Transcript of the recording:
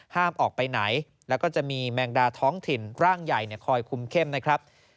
ห้ามออกไปไหนแล้วก็จะมีแมงดาท้องถิ่นร่างใหญ่คอยคุมเข้มนะครับ